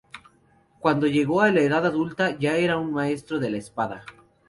Cuando llegó a la edad adulta ya era un maestro de la espada.